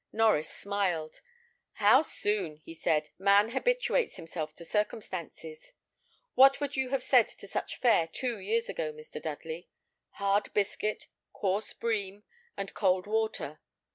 Norries smiled. "How soon," he said, "man habituates himself to circumstances. What would you have said to such fare two years ago, Mr. Dudley? Hard biscuit, coarse bream, and cold water!